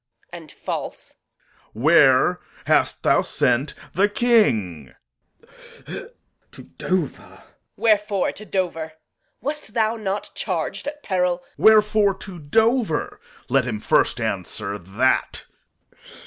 And false. Corn. Where hast thou sent the King? Glou. To Dover. Reg. Wherefore to Dover? Wast thou not charg'd at peril Corn. Wherefore to Dover? Let him first answer that.